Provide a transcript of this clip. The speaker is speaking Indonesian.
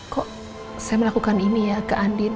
kok saya melakukan ini ya ke andin